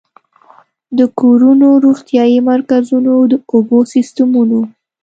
د کورونو، روغتيايي مرکزونو، د اوبو سيستمونو